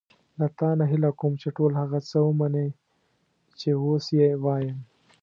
له تا نه هیله کوم چې ټول هغه څه ومنې چې اوس یې وایم.